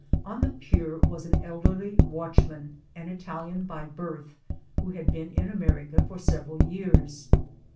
On the pier was an elderly watchman, an Italian by birth, who had been in America for several years.